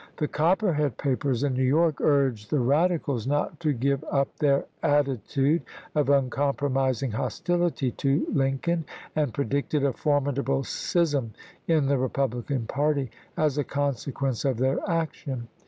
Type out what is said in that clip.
The Copperhead papers in New York urged the Eadicals not to give up their attitude of uncompromising hostility to Lincoln, and predicted a formidable schism in the Republican party as a consequence of their action.